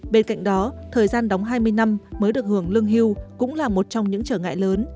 bên cạnh đó thời gian đóng hai mươi năm mới được hưởng lương hưu cũng là một trong những trở ngại lớn